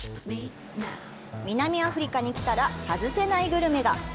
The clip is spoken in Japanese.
南アフリカに来たら外せないグルメが。